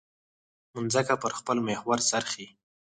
مځکه پر خپل محور څرخي.